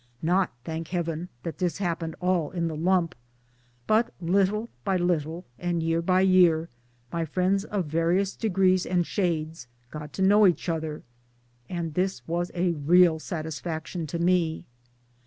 Not, thank heaven ! that this happened all in the lump ; but little by little and year by year my friends of various degrees and shades got to know each other and this was a real satisfaction to me.